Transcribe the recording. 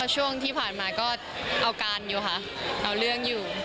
ช่วงที่ผ่านมาก็เอาการอยู่ค่ะเอาเรื่องอยู่